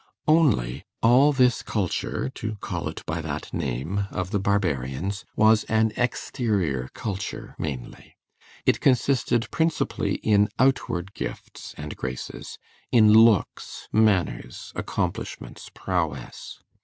Only, all this culture (to call it by that name) of the Barbarians was an exterior culture mainly. It consisted principally in outward gifts and graces, in looks, manners, accomplishments, prowess.